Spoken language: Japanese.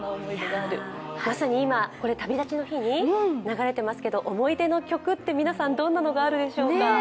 まさに今、「旅立ちの日に」流れてますけど思い出の曲って皆さんどんなのがあるでしょうか。